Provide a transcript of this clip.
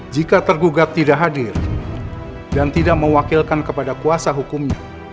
jika tergugat tidak hadir dan tidak mewakilkan kepada kuasa hukumnya